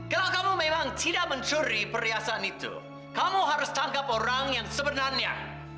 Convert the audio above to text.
kalau kamu memang tidak mencuri perhiasan itu kamu harus tangkap orang yang sebenarnya